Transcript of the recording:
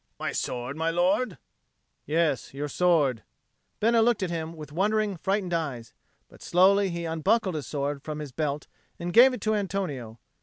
"My sword, my lord?" "Yes, your sword." Bena looked at him with wondering frightened eyes; but slowly he unbuckled his sword from his belt and gave it to Antonio.